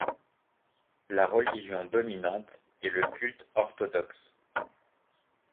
La religion dominante est le culte orthodoxe.